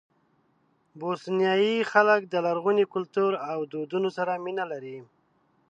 بوسنیایي خلک د لرغوني کلتور او دودونو سره مینه لري.